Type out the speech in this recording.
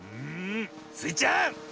スイちゃん